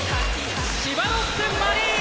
千葉ロッテマリーンズ。